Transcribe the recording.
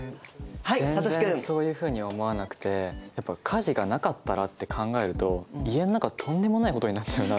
はいさとしくん！全然そういうふうには思わなくてやっぱ家事がなかったらって考えると家の中とんでもないことになっちゃうなあって思って。